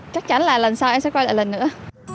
chắc chắn là lần sau em sẽ quay lại lần nữa